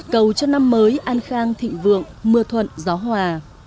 cầu cho năm mới an khang thịnh vượng mưa thuận gió hòa